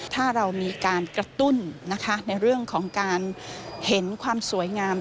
ถ้าเรามีการกระตุ้นนะคะในเรื่องของการเห็นความสวยงาม